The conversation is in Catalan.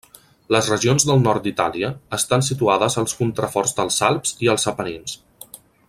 Les regions del nord d'Itàlia estan situades als contraforts dels Alps i els Apenins.